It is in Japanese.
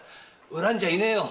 恨んじゃいねえよ。